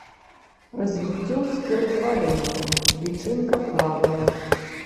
Развіццё з ператварэннем, лічынка плавае.